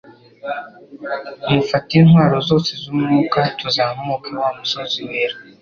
mufate intwaro zoze zumwuka tuzamuke wamusozi wera